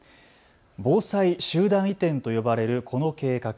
防災集団移転と呼ばれるこの計画。